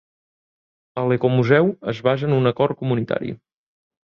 El Ecomuseu es basa en un acord comunitari.